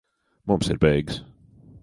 Mums ir beigas.